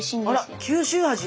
あら九州味！